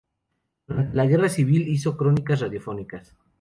Durante la Guerra Civil hizo crónicas radiofónicas.